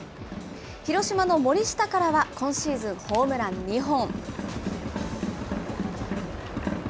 広島の森下からは、今シーズンホームラン２本。